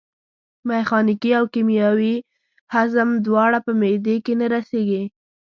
میخانیکي او کیمیاوي هضم دواړه په معدې کې نه رسېږي.